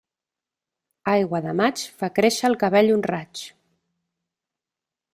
Aigua de maig fa créixer el cabell un raig.